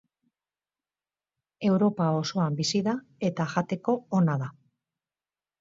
Europa osoan bizi da eta jateko ona da.